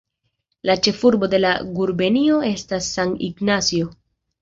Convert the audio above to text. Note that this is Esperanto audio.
La ĉefurbo de la gubernio estas San Ignacio.